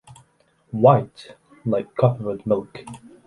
White like coffee with milk!